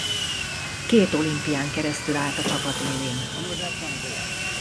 Két olimpián keresztül állt a csapat élén.